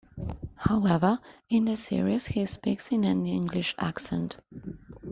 However, in the series he speaks in an English accent.